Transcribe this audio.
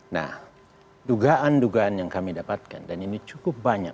nah dugaan dugaan yang kami dapatkan dan ini cukup banyak